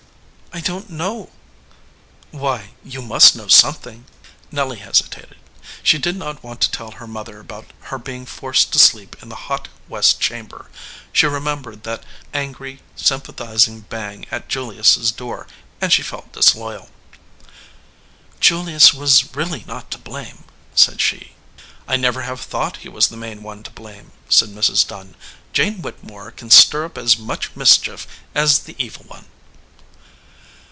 "I don t know." "Why, you must know something." Nelly hesitated. She did not want to tell her mother about her being forced to sleep in the hot 206 SOUR SWEETINGS west chamber. She remembered that angry, sym pathizing bang of Julius s door, and she felt dis loyal. "Julius was really not to blame," said she. "I never have thought he was the main one to blame," said Mrs. Dunn. "Jane Whittemore can stir up as much mischief as the Evil One."